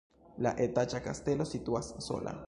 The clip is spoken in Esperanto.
La etaĝa kastelo situas sola.